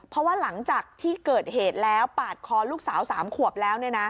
เพราะว่าหลังจากที่เกิดเหตุแล้วปาดคอลูกสาว๓ขวบแล้ว